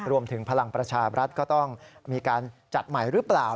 พลังประชาบรัฐก็ต้องมีการจัดใหม่หรือเปล่า